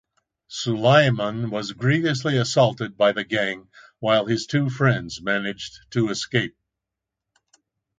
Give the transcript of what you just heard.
Sulaiman was grievously assaulted by the gang while his two friends managed to escape.